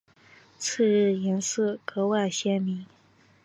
次日颜色格外鲜明。